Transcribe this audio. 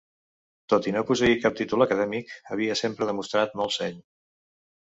Tot i no posseir cap títol acadèmic, havia sempre demostrat molt seny.